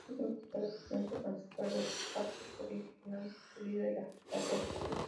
Es investido presidente Francisco Álvarez-Cascos y Javier Fernández es el líder de la oposición.